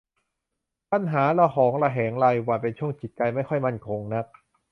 ปัญหาระหองระแหงรายวัน เป็นช่วงจิตใจไม่ค่อยมั่นคงนัก